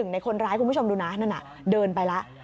ในคนร้ายคุณผู้ชมดูนะนั่นน่ะเดินไปแล้ว